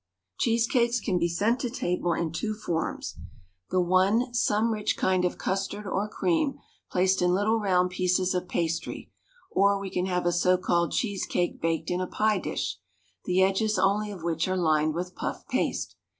Cheese cakes can be sent to table in two forms, the one some rich kind of custard or cream placed in little round pieces of pastry, or we can have a so called cheese cake baked in a pie dish, the edges only of which are lined with puff paste.